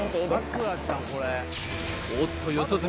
おっと四十住